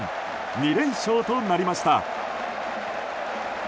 ２連勝となりました！